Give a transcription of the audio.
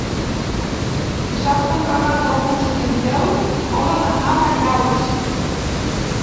Dissabte en Renat August i en Quel volen anar a Maials.